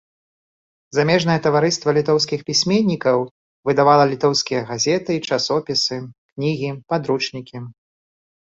Замежнае таварыства літоўскіх пісьменнікаў выдавала літоўскія газеты і часопісы, кнігі, падручнікі.